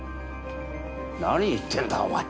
何言ってんだお前。